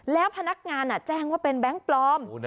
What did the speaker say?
แล้วพนักงานแจ้งว่าเป็นแบงค์ปลอม